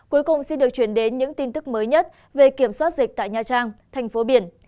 cuối cùng xin được chuyển đến những tin tức mới nhất về kiểm soát dịch tại nha trang thành phố biển